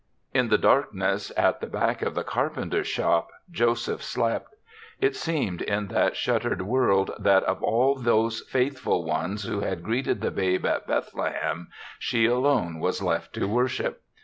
In the darkness, at the back of the carpenter's shop, Joseph slept. It seemed in that shuttered world that of all those faithful ones who had greeted the babe at Bethlehem she alone was left to worship.